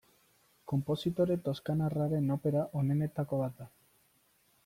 Konpositore toskanarraren opera onenetako bat da.